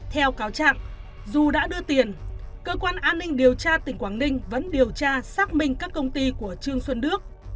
theo cáo trạng dù đã đưa tiền cơ quan an ninh điều tra tỉnh quảng ninh vẫn điều tra xác minh các công ty của trương xuân đức